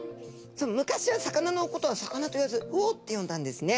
昔は魚のことは魚と言わず魚ってよんだんですね。